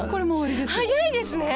早いですね。